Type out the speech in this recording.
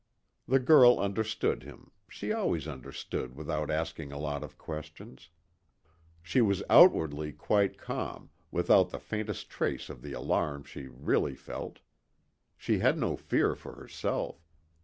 The girl understood him, she always understood without asking a lot of questions. She was outwardly quite calm, without the faintest trace of the alarm she really felt. She had no fear for herself.